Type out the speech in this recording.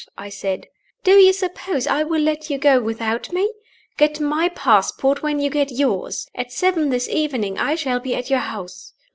I said. "Do you suppose I will let you go without me? Get my passport when you get yours. At seven this evening I will be at your house."